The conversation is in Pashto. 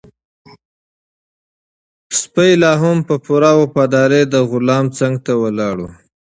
سپی لا هم په پوره وفادارۍ د غلام څنګ ته ولاړ و.